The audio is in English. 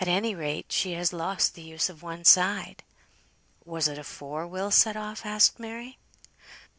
Any rate she has lost the use of one side." "Was it afore Will had set off?" asked Mary.